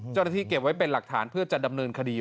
เก็บไว้เป็นหลักฐานเพื่อจะดำเนินคดี